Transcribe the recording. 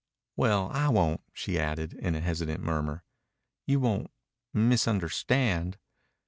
"Well, I won't." She added, in a hesitant murmur, "You won't misunderstand?"